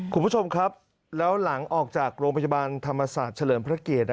คุณผู้ชมครับแล้วหลังออกจากโรงพยาบาลธรรมศาสตร์เฉลิมพระเกียรติ